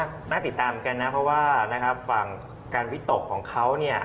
แต่ก็น่าติดตามกันนะเพราะว่าฟังการวิตกของเขา